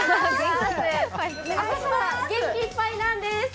元気いっぱいなんです。